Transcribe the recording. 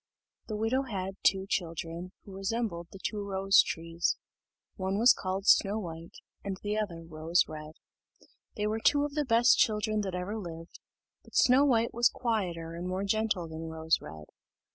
The widow had two children, who resembled the two rose trees: one was called Snow white, and the other Rose red. They were two of the best children that ever lived; but Snow white was quieter and more gentle than Rose red.